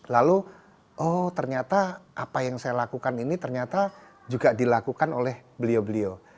lalu oh ternyata apa yang saya lakukan ini ternyata juga dilakukan oleh beliau beliau